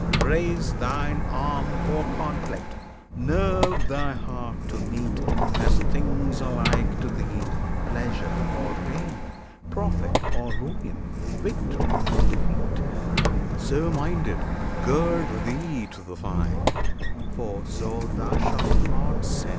brace Thine arm for conflict, nerve thy heart to meet As things alike to thee pleasure or pain, Profit or ruin, victory or defeat: So minded, gird thee to the fight, for so Thou shalt not sin!